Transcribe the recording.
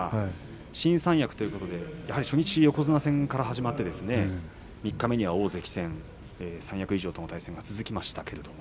新三役ということで初日に横綱戦から始まって、三日目には大関戦三役以上との対戦が続きました。